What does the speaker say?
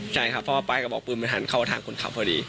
ใช่ครับเพราะว่าปลายกระบอกปืนมันหันเข้าทางคนขับพอดี